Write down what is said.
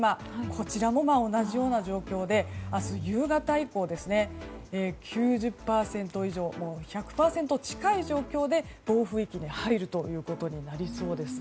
こちらも同じような状況で明日夕方以降、９０％以上１００％近い状況で暴風域に入るということになりそうです。